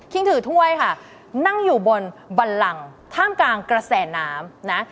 ถือถ้วยค่ะนั่งอยู่บนบันลังท่ามกลางกระแสน้ำนะ